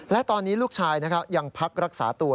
และตอนนี้ลูกชายยังพักรักษาตัว